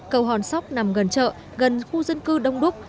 cầu hòn sóc nằm gần chợ gần khu dân cư đông đúc